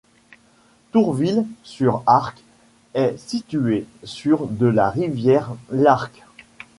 Tourville-sur-Arques est situé sur de la rivière l’Arques.